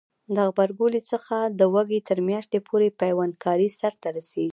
د غبرګولي څخه د وږي تر میاشتې پورې پیوند کاری سرته رسیږي.